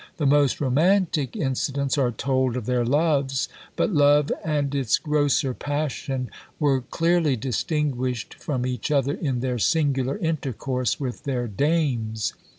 The most romantic incidents are told of their loves. But love and its grosser passion were clearly distinguished from each other in their singular intercourse with their "Dames."